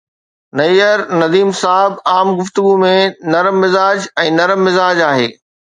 نيئر نديم صاحب عام گفتگو ۾ تمام نرم مزاج ۽ نرم مزاج آهي